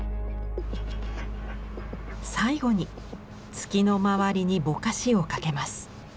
最後に月の周りにぼかしをかけます。